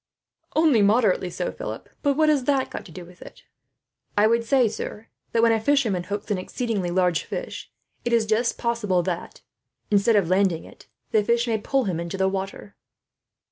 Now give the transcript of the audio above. "Only moderately so, Philip; but what has that to do with it?" "I would say, sir, that when a fisherman hooks an exceedingly large fish, it is just possible that, instead of landing it, the fish may pull him into the water."